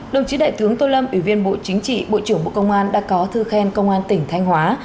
đồng chí đại tướng tô lâm ủy viên bộ chính trị bộ trưởng bộ công an đã có thư khen công an tỉnh thanh hóa